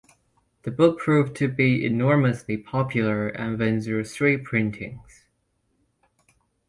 The book proved to be enormously popular and went through three printings.